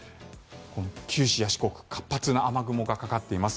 九州や四国活発な雨雲がかかっています。